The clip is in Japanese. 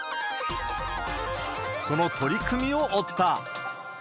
その取り組みを追った。